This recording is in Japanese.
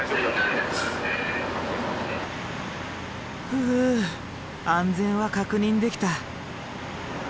ふぅ安全は確認できた。